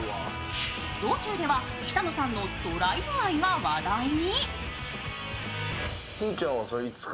道中では北乃さんのドライブ愛が話題に。